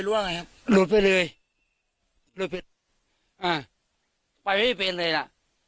ว่าไงครับหลุดไปเลยหลุดไปอ่าไปไม่เป็นเลยล่ะ